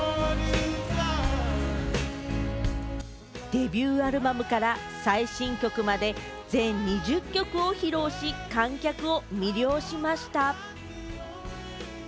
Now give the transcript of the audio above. デビューアルバムから最新曲まで全２０曲を披露し、観客を魅了しました。